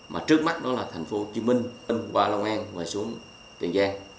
mà trước mắt đó là thành phố hồ chí minh in qua long an và xuống tiền giang